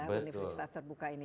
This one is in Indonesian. universitas terbuka ini